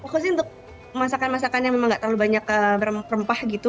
fokusnya untuk masakan masakan yang memang gak terlalu banyak rempah gitu